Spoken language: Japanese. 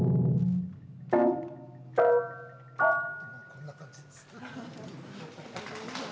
こんな感じです。